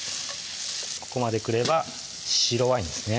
ここまでくれば白ワインですね